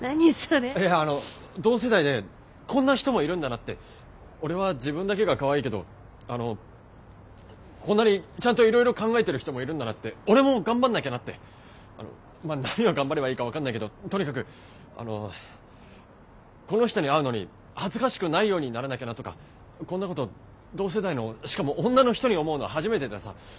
いやあの同世代でこんな人もいるんだなって俺は自分だけがかわいいけどあのこんなにちゃんといろいろ考えてる人もいるんだなって俺も頑張んなきゃなってまあ何を頑張ればいいか分かんないけどとにかくこの人に会うのに恥ずかしくないようにならなきゃなとかこんなこと同世代のしかも女の人に思うの初めてでさ。